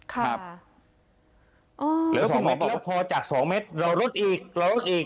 เหลือ๒เมตรแล้วพอจาก๒เมตรเราลดอีก